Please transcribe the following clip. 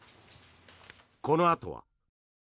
このあとは。